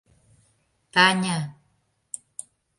Таня...